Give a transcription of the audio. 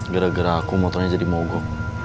gara gara aku motornya jadi mau go